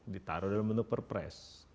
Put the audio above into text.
ditaruh dalam bentuk perpres